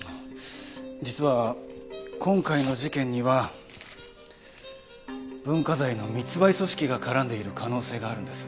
実は今回の事件には文化財の密売組織が絡んでいる可能性があるんです。